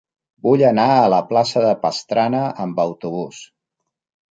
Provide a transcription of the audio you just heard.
Vull anar a la plaça de Pastrana amb autobús.